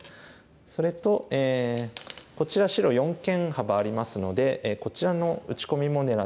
それとこちら白四間幅ありますのでこちらの打ち込みも狙っていますね。